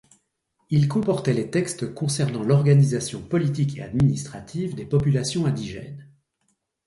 Il comportait les textes concernant l'organisation politique et administrative des populations indigènes.